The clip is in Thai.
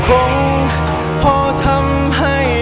ยังเพราะความสำคัญ